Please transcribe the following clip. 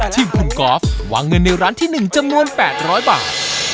ทีมคุณกอล์ฟวางเงินในร้านที่๑จำนวน๘๐๐บาท